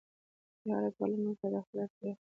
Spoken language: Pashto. چې هره ټولنه ورته د خپلې اړتيا